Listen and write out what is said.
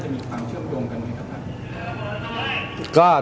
น่าจะมีความเชื่อมโดมกันไหมครับครับครับ